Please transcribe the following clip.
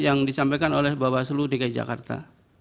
yang disampaikan oleh bapak selu dki jakarta